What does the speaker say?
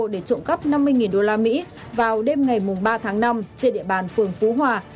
để trộm cắp năm mươi usd vào đêm ngày ba tháng năm trên địa bàn phường phú hòa